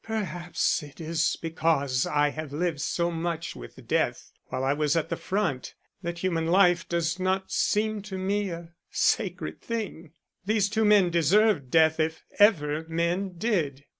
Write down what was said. Perhaps it is because I have lived so much with death while I was at the front that human life does not seem to me a sacred thing. These two men deserved death if ever men did."